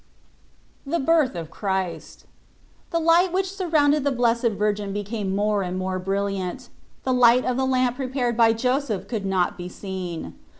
THE BIRTH OF CHRIST. THE light which surrounded the Blessed Virgin became more and more brilliant : the light of the lamp prepared by Joseph could not be seen.